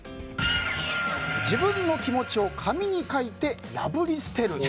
自分の気持ちを紙に書いて破り捨てる。